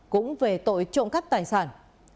cũng về tội trộm cắt tài sản